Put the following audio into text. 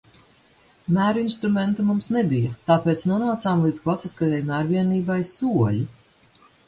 Mērinstrumentu mums nebija, tāpēc nonācām līdz klasiskajai mērvienībai ‘soļi’.